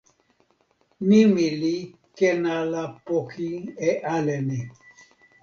nimi li ken ala poki e ale ni.